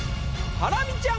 ハラミちゃん！